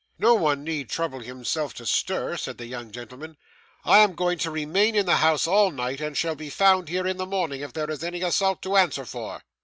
'No one need trouble himself to stir,' said the young gentleman, 'I am going to remain in the house all night, and shall be found here in the morning if there is any assault to answer for.